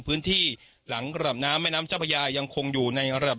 พื้นที่หลังระดับน้ำแม่น้ำเจ้าพระยายังคงอยู่ในระดับ